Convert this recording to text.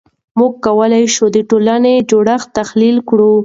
موږ کولای شو د ټولنې جوړښت تحلیل کړو.